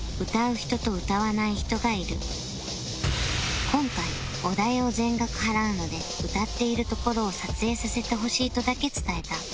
カラオケだと今回お代を全額払うので歌っているところを撮影させてほしいとだけ伝えた